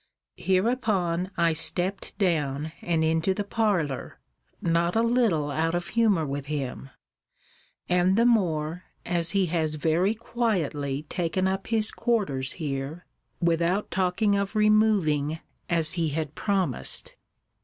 Hereupon I stept down, and into the parlour, not a little out of humour with him; and the more, as he has very quietly taken up his quarters here, without talking of removing, as he had promised.